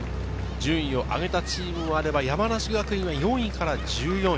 順位を上げたチームもあれば、山梨学院は４位から１４位。